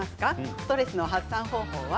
ストレスの発散方法は？